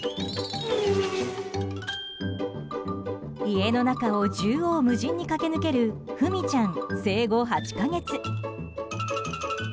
家の中を縦横無尽に駆け抜けるフミちゃん、生後８か月。